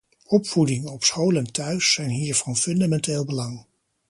Opvoeding, op school en thuis, zijn hier van fundamenteel belang.